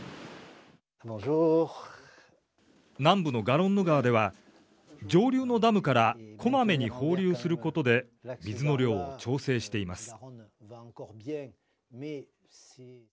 南部のガロンヌ川では上流のダムからこまめに放流することで水の量を調整しています。